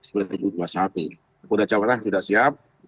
polda jawabannya sudah siap